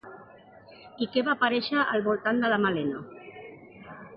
I què va aparèixer al voltant de la Malena?